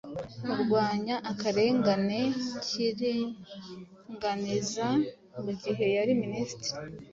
arwanya akarengane k’iringaniza mu gihe yari Minisitiri